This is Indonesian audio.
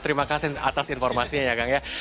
terima kasih atas informasinya ya kang ya